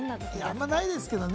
あんまりないですけれども、